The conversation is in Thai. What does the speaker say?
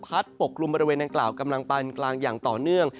ปกลุ่มบริเวณดังกล่าวกำลังปานกลางอย่างต่อเนื่อง